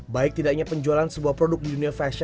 baik tidak hanya penjualan sebuah produk di dunia fashion